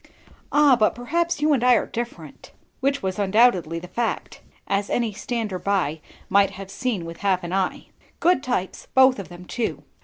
"Ah, but perhaps you and I are different." Which was undoubtedly the fact, as any stander by might have seen with half an eye. Good types both of them, too.